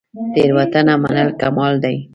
تیروتنه منل کمال دی